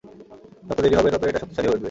যত দেরি হবে, ততোই এটা শক্তিশালী হয়ে উঠবে!